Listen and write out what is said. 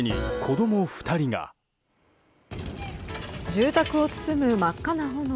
住宅を包む真っ赤な炎。